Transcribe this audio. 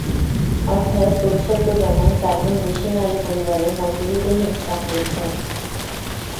অর্থাৎ পুরুষের তুলনায় চার গুণ বেশি নারী পরিবারে মজুরিবিহীন শ্রম দিচ্ছেন।